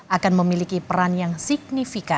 akan memiliki peran yang signifikan